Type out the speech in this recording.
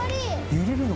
揺れるの？